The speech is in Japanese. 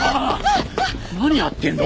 何やってんの？